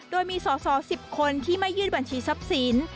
โดยมีสอสอ๑๐คนที่ไม่ยืดบัญชีทรัพย์สิน